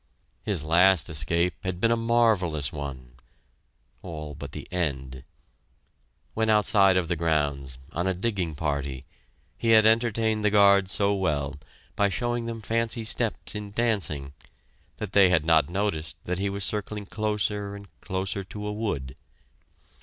His last escape had been a marvellous one all but the end. When outside of the grounds, on a digging party, he had entertained the guards so well, by showing them fancy steps in dancing, that they had not noticed that he was circling closer and closer to a wood.